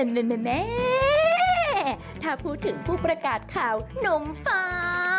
แม่ถ้าพูดถึงผู้ประกาศข่าวนมฟ้า